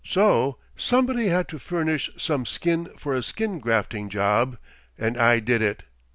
So somebody had to furnish some skin for a skin grafting job, and I did it.